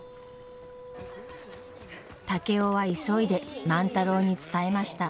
竹雄は急いで万太郎に伝えました。